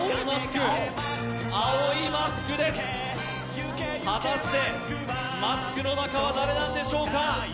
青いマスクです、果たしてマスクの中は誰なんでしょうか。